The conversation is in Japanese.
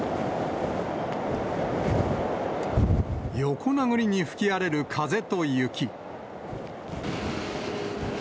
横殴りに吹き荒れる風と雪。